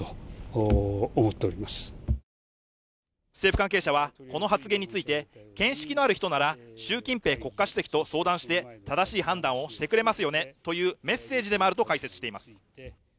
政府関係者はこの発言について見識のある人なら、習近平国家主席と相談して正しい判断をしてくれますよねというメッセージでもあると解説しています。